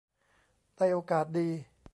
ได้โอกาสดี